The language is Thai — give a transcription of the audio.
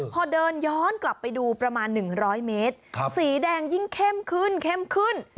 พอเดินย้อนกลับไปดูประมาณ๑๐๐เมตรสีแดงยิ่งเข้มขึ้นเข้มขึ้น